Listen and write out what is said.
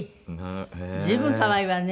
随分可愛いわね。